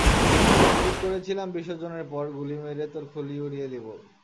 ঠিক করেছিলাম বিসর্জনের পর, গুলি মেরে তোর খুলি উঁড়িয়ে দিবো!